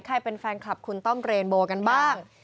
ใครเป็นแฟนคลับคุณต้อมเรนโบกันบ้าง